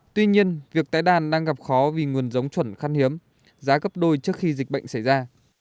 tuy nhiên việc tái đàn đang gặp khó vì nguồn giống chuẩn khăn hiếm giá cấp đôi trước khi dịch bệnh xảy ra